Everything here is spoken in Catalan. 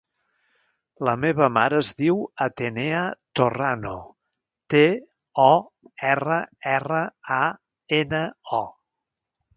La meva mare es diu Atenea Torrano: te, o, erra, erra, a, ena, o.